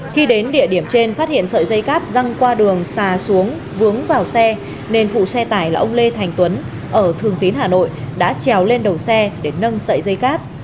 khi đến địa điểm trên phát hiện sợi dây cáp răng qua đường xà xuống vướng vào xe nên phụ xe tải là ông lê thành tuấn ở thường tín hà nội đã trèo lên đầu xe để nâng sợi dây cáp